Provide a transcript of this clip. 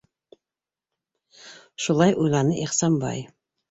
Шулай уйланы Ихсанбай.